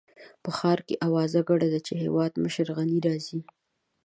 په ښار کې اوازه ګډه ده چې هېوادمشر غني راځي.